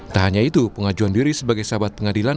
tak hanya itu pengajuan diri sebagai sahabat pengadilan